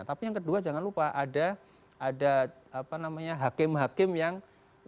tapi yang kedua jangan lupa ada hakim hakim yang